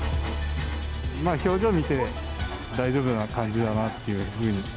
表情見て、大丈夫な感じだなっていうふうに。